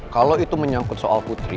kalau itu menyangkut soal putri